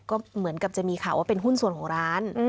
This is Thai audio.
ก็เหมือนกับจะมีข่าวว่าเป็นหุ้นส่วนของร้าน